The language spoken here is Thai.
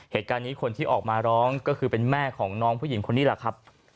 เหตุการณ์นี้คนที่ออกมาร้องก็คือเป็นแม่ของน้องผู้หญิงคนนี้แหละครับ